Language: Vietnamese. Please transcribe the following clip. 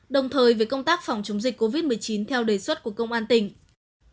đồng thời về công tác phòng chống dịch covid một mươi chín theo đề xuất của công an tỉnh